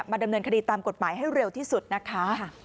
ดำเนินคดีตามกฎหมายให้เร็วที่สุดนะคะ